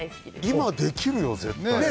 今できるよ、絶対。